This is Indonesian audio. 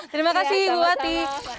terima kasih bu hati